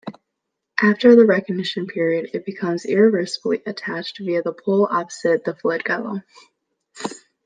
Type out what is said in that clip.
After the recognition period, it becomes irreversibly attached via the pole opposite the flagellum.